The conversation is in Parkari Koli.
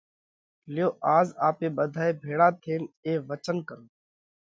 ليو آز آپي ٻڌائي ڀيۯا ٿينَ اي وچنَ ڪرون